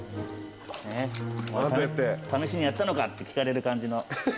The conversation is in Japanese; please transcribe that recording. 「試しにやったのか？」って聞かれる感じの。